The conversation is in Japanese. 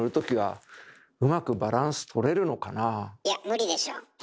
いや無理でしょ。